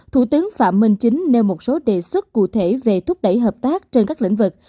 thủ tướng phạm minh chính nêu một số đề xuất cụ thể về thúc đẩy hợp tác trên các lĩnh vực